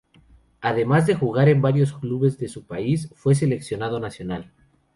Además de jugar en varios clubes de su país fue seleccionado nacional.